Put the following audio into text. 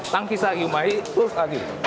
tangki lagi terus lagi